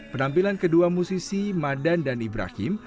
penampilan kedua musisi madan dan ibrahim